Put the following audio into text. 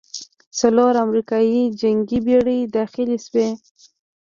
څلور امریکايي جنګي بېړۍ داخلې شوې.